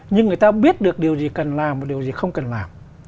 nhưng người ta biết được điều gì cần làm một điều gì không cần làm